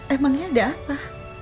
emangnya ada apa